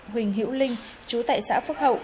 huỳnh hiễu linh chú tại xã phước hậu